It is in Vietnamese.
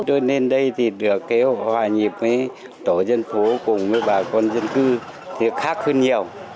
tôi lên đây thì được kế hoạch hòa nhịp với tổ dân phố cùng với bà con dân cư thì khác hơn nhiều